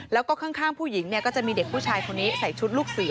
แล้วก็ข้างผู้หญิงก็จะมีเด็กผู้ชายคนนี้ใส่ชุดลูกเสือ